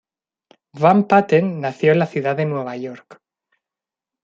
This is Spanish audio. Van Patten nació en la ciudad de Nueva York.